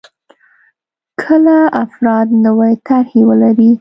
کله افراد نوې طرحې ولري.